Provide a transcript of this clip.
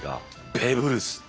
ベーブ・ルース！